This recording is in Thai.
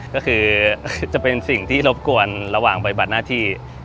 ก็คือจะเป็นสิ่งที่รบกวนระหว่างปฏิบัติหน้าที่